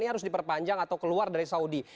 yang terpanjang atau keluar dari saudi